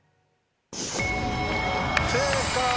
正解！